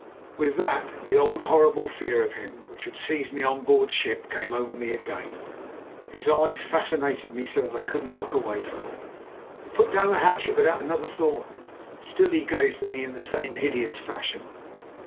"With that the old horrible fear of him which had seized me on board ship came over me again. His eyes fascinated me so that I could not look away from them. I put down the hatchet without another thought. Still he gazed at me in the same hideous fashion.